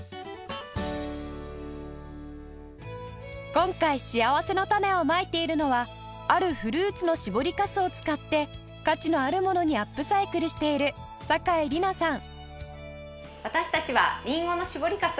今回しあわせのたねをまいているのはあるフルーツの搾りかすを使って価値のあるものにアップサイクルしている酒井里奈さん